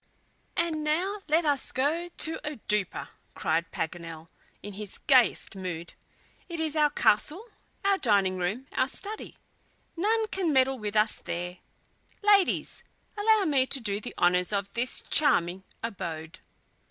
"And now let us go to the 'oudoupa!'" cried Paganel, in his gayest mood. "It is our castle, our dining room, our study! None can meddle with us there! Ladies! allow me to do the honors of this charming abode."